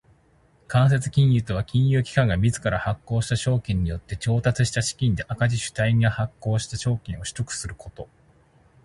間接金融とは金融機関が自ら発行した証券によって調達した資金で赤字主体が発行した証券を取得すること。